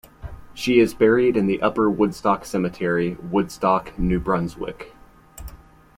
She is buried in the Upper Woodstock Cemetery, Woodstock, New Brunswick.